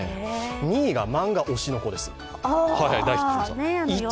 ２位が漫画「推しの子」です。